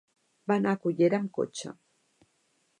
Va anar a Cullera amb cotxe.